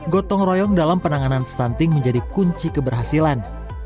gotong royong dalam penanganan stunting menjadi kunci keberhasilan